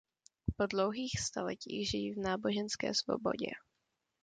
Po dlouhých staletích žijí v náboženské svobodě.